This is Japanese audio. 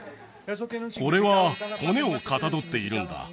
これは骨をかたどっているんだ